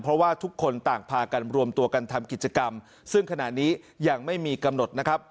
เพราะว่าทุกคนต่างพากันรวมตัวกันทำกิจกรรมซึ่งขณะนี้ยังไม่มีกำหนดนะครับ